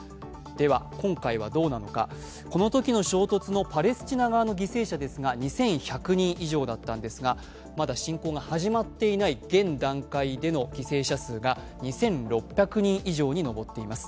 今回はどうなのか、このときの衝突のパレスチナ側の犠牲者ですが２１００人以上だったんですが、まだ侵攻が始まっていない現段階での犠牲者数が２６００人以上に上っています。